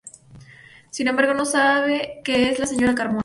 Sin embargo, no sabe que es la señora de Carmona.